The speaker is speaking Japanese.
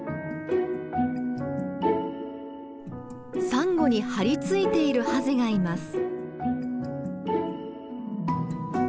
サンゴに張り付いているハゼがいます。